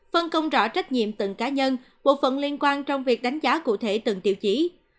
phân công rõ trách nhiệm từng cá nhân bộ phận liên quan trong việc đánh giá cụ thể từng tiêu chí